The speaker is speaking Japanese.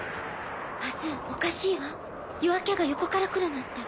パズーおかしいわ夜明けが横から来るなんて。